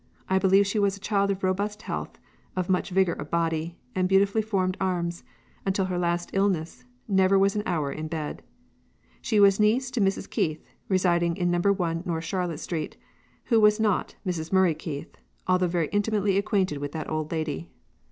I believe she was a child of robust health, of much vigor of body, and beautifully formed arms, and until her last illness, never was an hour in bed. She was niece to Mrs. Keith, residing in No. 1 North Charlotte Street, who was not Mrs. Murray Keith, although very intimately acquainted with that old lady....